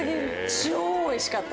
超おいしかった。